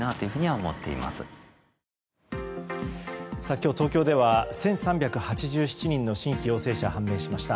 今日東京では１３８７人の新規陽性者が判明しました。